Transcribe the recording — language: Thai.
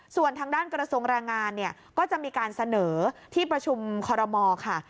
ส่วนทางด้านกระทรวงแรงงานเนี่ยก็จะมีการเสนอที่ประชุมคอรมอค่ะ